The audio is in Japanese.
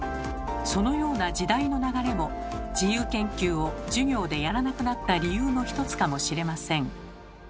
そのような時代の流れも自由研究を授業でやらなくなった理由の１つかもしれません。